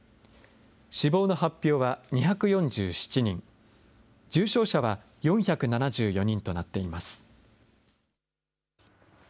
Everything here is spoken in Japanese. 死亡の発表は２４７人、重症者は４７４人となっています。